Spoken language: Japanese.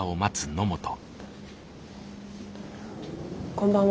こんばんは。